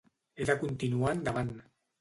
He de continuar endavant.